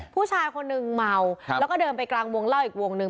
ผู้ชายคนนึงเมาแล้วก็เดินไปกลางวงเล่าอีกวงหนึ่ง